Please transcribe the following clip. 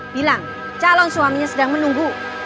bilang calon suaminya sedang menunggu